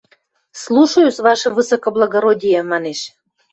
– Слушаюсь, ваше высокоблагородие! – манеш.